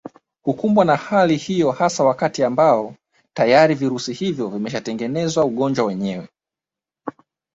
Hukumbwa na hali hiyo hasa wakati ambao tayari virusi hivyo vimeshatengeneza ugonjwa wenyewe